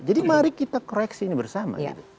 jadi mari kita koreksi ini bersama